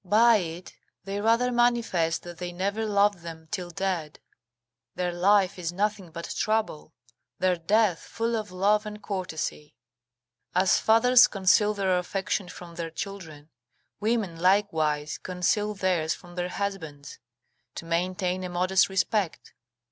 By it they rather manifest that they never loved them till dead: their life is nothing but trouble; their death full of love and courtesy. As fathers conceal their affection from their children, women, likewise, conceal theirs from their husbands, to maintain a modest respect.